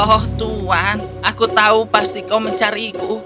oh tuhan aku tahu pasti kau mencariku